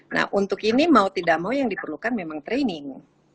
nah untuk ini mau tidak mau yang diperlukan memang training